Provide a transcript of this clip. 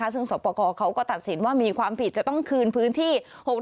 ซึ่งสอบประกอบเขาก็ตัดสินว่ามีความผิดจะต้องคืนพื้นที่